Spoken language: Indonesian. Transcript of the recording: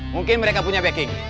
mungkin mereka punya backing